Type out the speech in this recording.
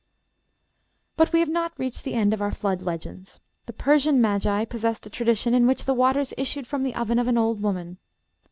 But we have not reached the end of our Flood legends. The Persian Magi possessed a tradition in which the waters issued from the oven of an old woman.